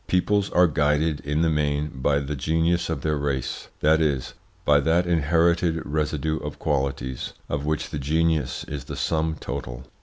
Peoples are guided in the main by the genius of their race, that is, by that inherited residue of qualities of which the genius is the sum total.